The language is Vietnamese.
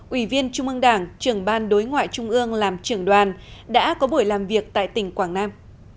ủy viên trung ương đảng trưởng ban đối ngoại trung ương làm trưởng đoàn đã có buổi làm việc tại tỉnh quảng nam